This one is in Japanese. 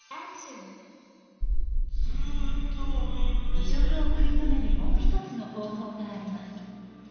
離職を食い止めるもう一つの方法があります。